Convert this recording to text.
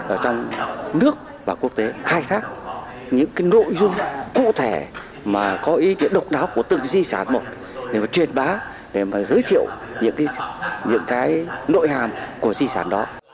ở trong nước và quốc tế khai thác những nội dung cụ thể mà có ý kiến độc đáo của tất cả các di sản